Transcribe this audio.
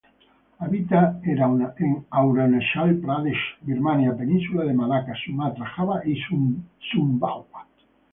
Habita en Arunachal Pradesh, Birmania, Península de Malaca, Sumatra, Java y Sumbawa.